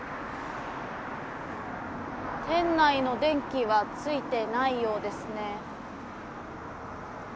店内の電気はついてないようですね。